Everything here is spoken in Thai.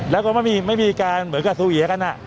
แล้วก็ไม่มีการเหมือนกับสูเวียกัน